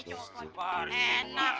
supa hari maemunah